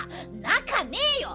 なかねえよ！